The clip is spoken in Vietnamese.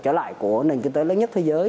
trở lại của nền kinh tế lớn nhất thế giới